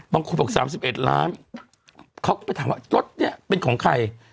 บางคนบอก๓๑ล้านเขาก็ไปถามว่ารถเนี่ยเป็นของใคร